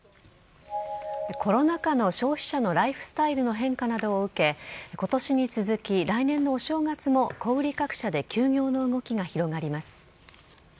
コロナ禍の消費者のライフスタイルの変化などを受け今年に続き、来年のお正月も小売各社で休業の動きが広がります。